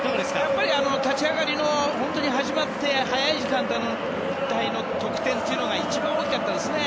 やっぱり立ち上がりの早い時間帯の得点というのが一番大きかったですね。